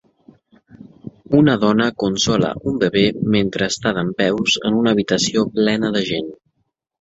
Una dona consola un bebè mentre està dempeus en una habitació plena de gent.